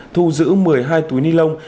thu giữ một mươi hai túi ni lông